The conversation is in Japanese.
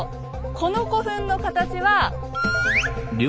この古墳の形は？